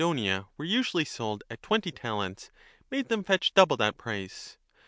c a i 35 oa OECONOMICA were usually sold at twenty talents, made them fetch double that price.